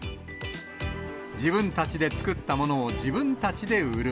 自分たちで作ったものを自分たちで売る。